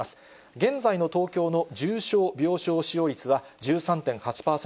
現在の東京の重症病床使用率は１３．８％。